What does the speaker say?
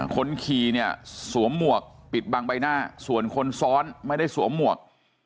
คนขี่เนี่ยสวมหมวกปิดบังใบหน้าส่วนคนซ้อนไม่ได้สวมหมวก